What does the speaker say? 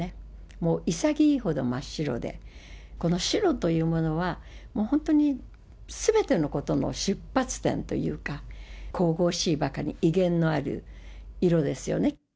もう潔いほど真っ白で、この白というものは、本当にすべてのことの出発点というか、神々しいばかりで威厳のある色ですよね。